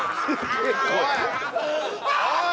おい！